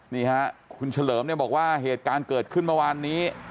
นี่ฮะคุณเฉลิมเนี่ยบอกว่าเหตุการณ์เกิดขึ้นเมื่อวานนี้